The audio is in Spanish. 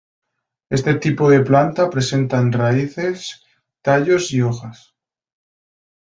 Este tipo de planta presentan raíces, tallos y hojas.